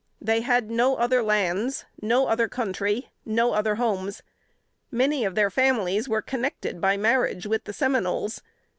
They had no other lands, no other country, no other homes. Many of their families were connected by marriage with the Seminoles.